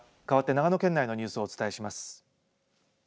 かわって長野県内のニュースをお伝えします。